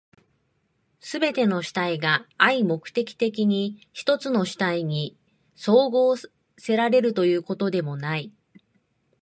すべての主体が合目的的に一つの主体に綜合せられるということでもない。